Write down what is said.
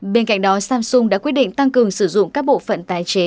bên cạnh đó samsung đã quyết định tăng cường sử dụng các bộ phận tái chế